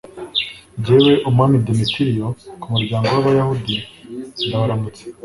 jyewe umwami demetiriyo, ku muryango w'abayahudi. ndabaramutsa